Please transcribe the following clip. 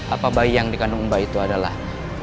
apa bayi yang dikandung bayi itu adalah